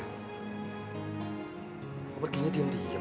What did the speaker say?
apa beginya diam diam